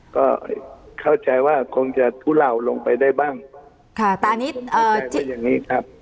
ก็เข้าใจว่าคงจะทุเลาลงไปได้บ้างค่ะตานิดอย่างงี้ครับ